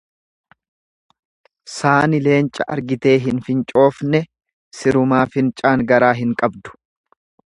Saani leenca argitee hin fincoofne sirumaa fincaan garaa hin qabdu.